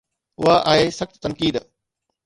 اها آهي سخت تنقيد.